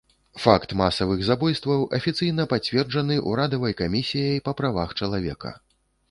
Факт масавых забойстваў афіцыйна пацверджаны ўрадавай камісіяй па правах чалавека.